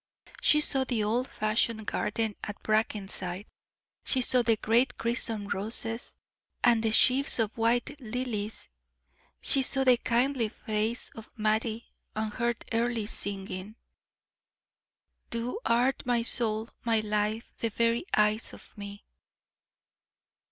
She saw the old fashioned garden at Brackenside; she saw the great crimson roses, and the sheaves of white lilies; she saw the kindly face of Mattie, and heard Earle singing: "Thou art my soul, my life the very eyes of me."